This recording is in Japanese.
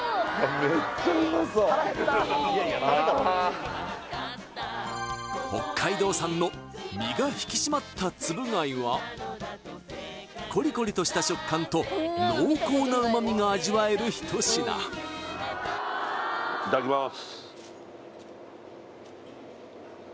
めっちゃうまそう北海道産の身が引き締まったつぶ貝はコリコリとした食感と濃厚な旨味が味わえる一品いただきまーす